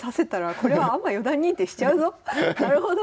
なるほど。